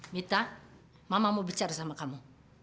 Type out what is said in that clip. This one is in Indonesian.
mita mama mau bicara sama kamu